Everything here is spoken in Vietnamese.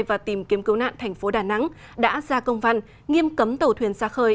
và tìm kiếm cứu nạn tp đà nẵng đã ra công văn nghiêm cấm tàu thuyền xa khơi